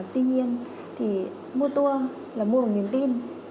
tuy nhiên thì mua tour là mua một niềm tin